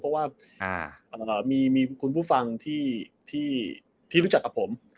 เพราะว่ามีคุณผู้ฟังที่รู้จักกับผม